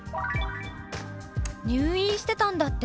「入院してたんだって？